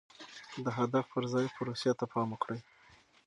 د هدف پر ځای پروسې ته پام وکړئ.